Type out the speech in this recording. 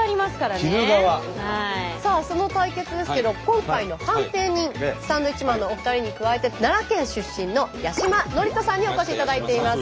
さあその対決ですけど今回の判定人サンドウィッチマンのお二人に加えて奈良県出身の八嶋智人さんにお越しいただいています。